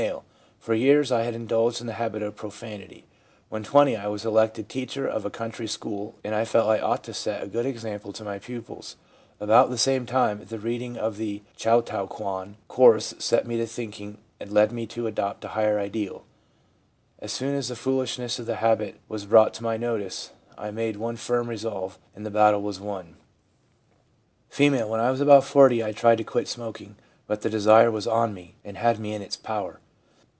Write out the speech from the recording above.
1 For years I had indulged in the habit of profanity. When 20, I was elected teacher of a country school, and I felt I ought to set a good example to my pupils. About the same time, the reading of the Chautauquan course set me to thinking, and led me to adopt a higher ideal. As soon as the foolishness of the habit was brought to my notice, I made one firm resolve, and the battle was won/ F. ' When I was about 40, I tried to quit smoking, but the desire was on me, and had me in its power.